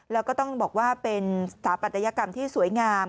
แล้วก็ต้องบอกว่าเป็นสถาปัตยกรรมที่สวยงาม